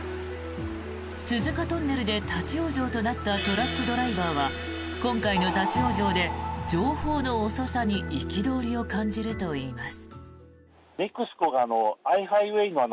鈴鹿トンネルで立ち往生となったトラックドライバーは今回の立ち往生で情報の遅さに憤りを感じるといいます。